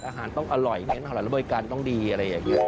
อาหารต้องอร่อยหลายระบวยการต้องดีอะไรอย่างนี้